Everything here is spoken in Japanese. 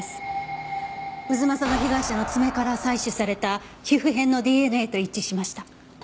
太秦の被害者の爪から採取された皮膚片のＤＮＡと一致しました。